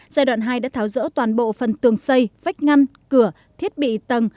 giai đoạn hai đã tháo rỡ toàn bộ phần tường xây vách ngăn cửa thiết bị tầng